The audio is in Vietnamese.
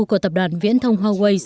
của tập đoàn viễn thông huawei